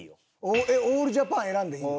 オールジャパン選んでいいの？